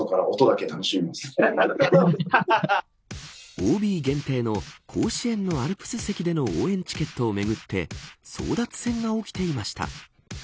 ＯＢ限定の甲子園のアルプス席での応援チケットをめぐって争奪戦が起きていました。